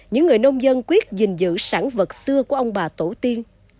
những người nông dân quyết gìn giữ sản vật xưa của ông bà tổ tiên